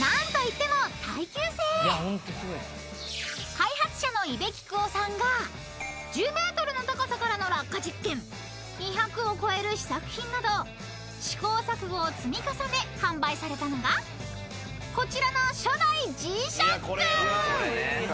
［開発者の伊部菊雄さんが１０ｍの高さからの落下実験２００を超える試作品など試行錯誤を積み重ね販売されたのがこちらの初代Ｇ−ＳＨＯＣＫ］